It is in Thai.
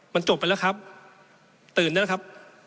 มันจบไปแล้วครับตื่นแล้วครับ